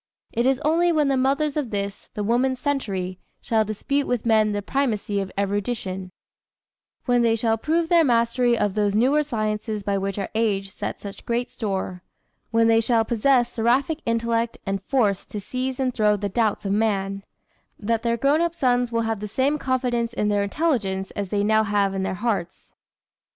It is only when the mothers of this, the woman's century, shall dispute with men the primacy of erudition when they shall prove their mastery of those newer sciences by which our age sets such great store when they shall possess "Seraphic intellect and force To seize and throw the doubts of man"; that their grown up sons will have the same confidence in their intelligence as they now have in their hearts.